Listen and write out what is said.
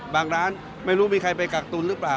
ร้านไม่รู้มีใครไปกักตุลหรือเปล่า